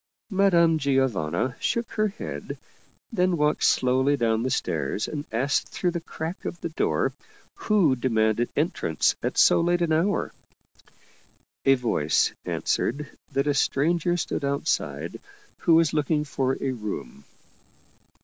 Madame Giovanna shook her head, then walked slowly down the stairs, and asked through the crack of the door who demanded entrance at so late an hour. A voice answered that a stranger stood outside who was looking for a room.